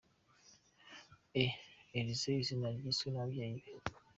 E: Elyse, izina yiswe n’ababyeyi be.